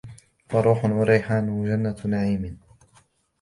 فَرَوْحٌ وَرَيْحَانٌ وَجَنَّةُ نَعِيمٍ